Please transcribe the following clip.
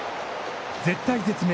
絶体絶命。